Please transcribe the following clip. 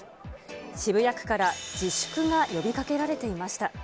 渋谷区から自粛が呼びかけられていました。